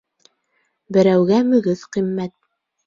Берәүгә мөгөҙ ҡиммәт.